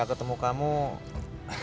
aku akan menemukanmu di jalan ini